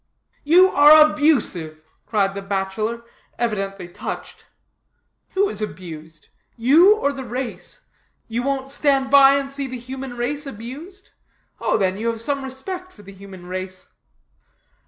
"You are abusive!" cried the bachelor, evidently touched. "Who is abused? You, or the race? You won't stand by and see the human race abused? Oh, then, you have some respect for the human race."